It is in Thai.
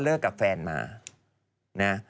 เลิกกับแฟนมานะ